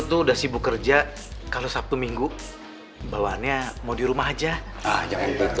tuh udah sibuk kerja kalau sabtu minggu bawaannya mau di rumah aja jangan gitu